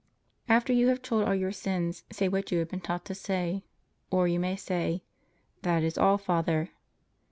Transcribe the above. After you have told all your sins, say what you have been taught to say. Or you may say: That is all, Father.